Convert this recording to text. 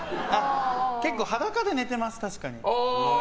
結構裸で寝てます、確かに。